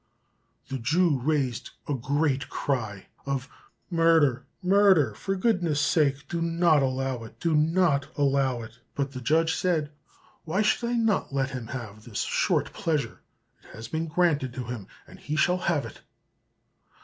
The Jew raised a great cry of "Murder! murder! for goodness' sake do not allow it! Do not allow it!" But the judge said, "Why should I not let him have this short pleasure? it has been granted to him, and he shall have it."